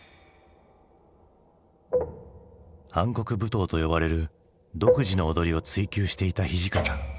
「暗黒舞踏」と呼ばれる独自の踊りを追究していた土方。